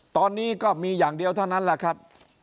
ตอนนี้ก็มีอย่างเดียวเท่านั้นแหละครับ